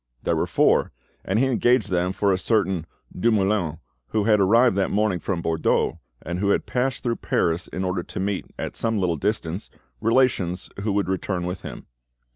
There were four, and he engaged them for a certain Dumoulin, who had arrived that morning from Bordeaux, and who had passed through Paris in order to meet, at some little distance, relations who would return with him.